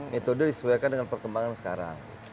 metode disesuaikan dengan perkembangan sekarang